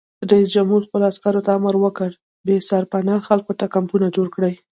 رئیس جمهور خپلو عسکرو ته امر وکړ؛ بې سرپناه خلکو ته کمپونه جوړ کړئ!